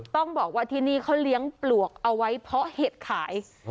ต้องบอกว่าที่นี่เขาเลี้ยงปลวกเอาไว้เพราะเห็ดขาย